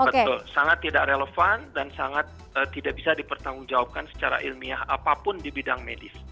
betul sangat tidak relevan dan sangat tidak bisa dipertanggungjawabkan secara ilmiah apapun di bidang medis